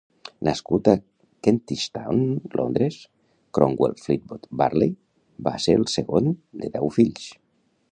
Nascut a Kentish Town, Londres, Cromwell Fleetwood Varley va ser el segon de deu fills.